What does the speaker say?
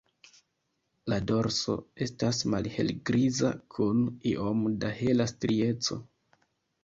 La dorso estas malhelgriza kun iom da hela strieco.